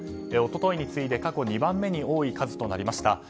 一昨日に次いで過去２番目に多い数となりました。